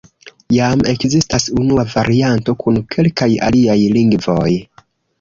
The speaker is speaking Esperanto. Jam ekzistas unua varianto kun kelkaj aliaj lingvoj.